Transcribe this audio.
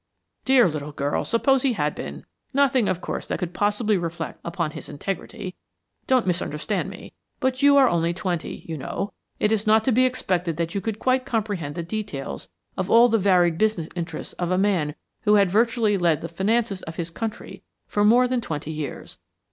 "Dear little girl, suppose he had been? Nothing, of course, that could possibly reflect upon his integrity, don't misunderstand me but you are only twenty, you know. It is not to be expected that you could quite comprehend the details of all the varied business interests of a man who had virtually led the finances of his country for more than twenty years.